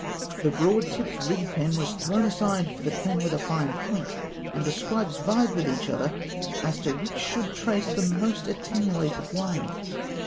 The broad tipped reed pen was thrown aside for the pen with a fine point, and the scribes vied with each other as to which should trace the most attenuated lines.